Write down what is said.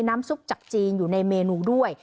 ซุปจากจีนอยู่ในเมนูด้วย